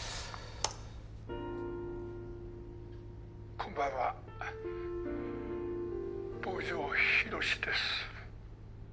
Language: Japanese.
こんばんは坊城寛です